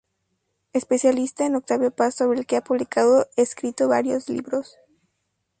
Especialista en Octavio Paz, sobre el que ha publicado escrito varios libros.